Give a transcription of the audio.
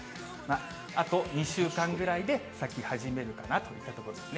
あと２週間ぐらいで咲き始めるかなといったところですね。